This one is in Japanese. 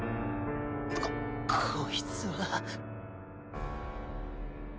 ここいつは。